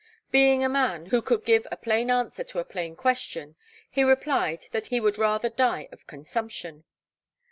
Being a man who could give a plain answer to a plain question, he replied that he would rather die of consumption.